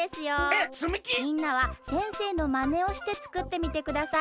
みんなは先生のまねをしてつくってみてください。